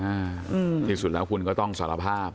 ที่สุดแล้วคุณก็ต้องสารภาพ